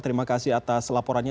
terima kasih atas laporannya